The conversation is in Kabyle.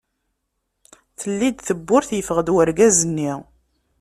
Telli-d tewwurt, yeffeɣ-d urgaz-nni.